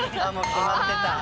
決まってた。